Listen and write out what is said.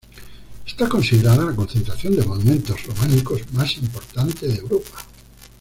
Está considerada la concentración de monumentos románicos más importante de Europa.